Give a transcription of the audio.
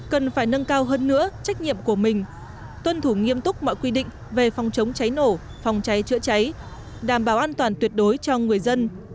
cần phải nâng cao hơn nữa trách nhiệm của mình tuân thủ nghiêm túc mọi quy định về phòng chống cháy nổ phòng cháy chữa cháy đảm bảo an toàn tuyệt đối cho người dân